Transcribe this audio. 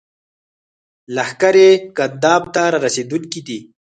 لښکرې ګنداب ته را رسېدونکي دي.